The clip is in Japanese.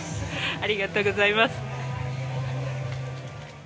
ありがとうございます。